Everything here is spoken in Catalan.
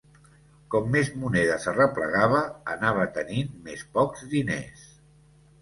Com més monedes arreplegava, anava tenint més pocs diners.